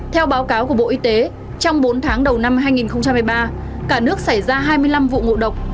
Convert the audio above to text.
theo báo cáo của bộ y tế trong bốn tháng đầu năm hai nghìn hai mươi ba cả nước xảy ra hai mươi năm vụ ngộ độc